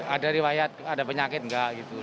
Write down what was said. ada riwayat ada penyakit enggak gitu